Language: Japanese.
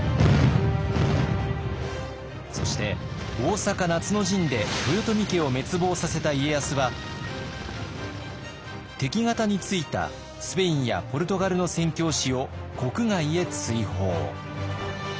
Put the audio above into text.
そして大坂夏の陣で豊臣家を滅亡させた家康は敵方についたスペインやポルトガルの宣教師を国外へ追放。